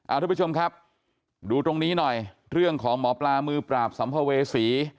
ทุกผู้ชมครับดูตรงนี้หน่อยเรื่องของหมอปลามือปราบสัมภเวษี